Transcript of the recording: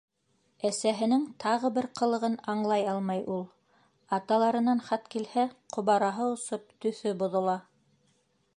Әсәһенең тағы бер ҡылығын аңлай алмай ул: аталарынан хат килһә, ҡобараһы осоп, төҫө боҙола.